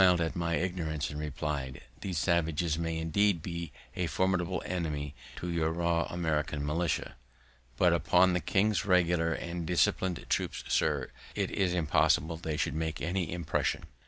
He smil'd at my ignorance, and reply'd, "These savages may, indeed, be a formidable enemy to your raw American militia, but upon the king's regular and disciplin'd troops, sir, it is impossible they should make any impression."